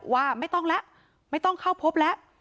ว่าไม่ต้องแล้วไม่ต้องเข้าพบแล้ว